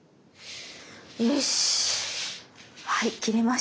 よし。